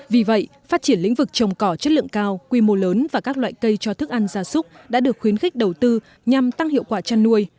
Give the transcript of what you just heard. vì vậy phát triển lĩnh vực trồng cỏ chất lượng cao quy mô lớn và các loại cây cho thức ăn gia súc đã được khuyến khích đầu tư nhằm tăng hiệu quả chăn nuôi